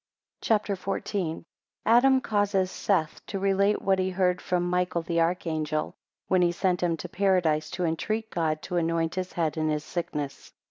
CHAPTER XIV. 1 Adam causes Seth to relate what he heard from Michael the archangel, when he sent him to Paradise to entreat God to anoint his head in his sickness.